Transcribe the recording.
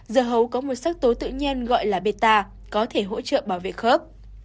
dơ hấu có một sắc tố tự nhiên gọi là beta có thể hỗ trợ bảo vệ khớp